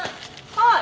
はい。